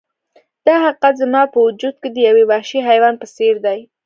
دا حقیقت زما په وجود کې د یو وحشي حیوان په څیر دی